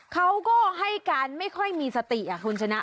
เขาก็ให้การไม่ค่อยมีสติคุณชนะ